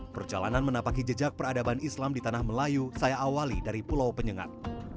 perjalanan menapaki jejak peradaban islam di tanah melayu saya awali dari pulau penyengat